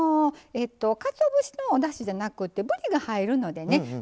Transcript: かつお節のおだしじゃなくてぶりが入るのでね